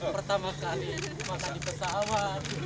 pertama kali makan di pesawat